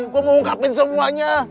gue mau ungkapin semuanya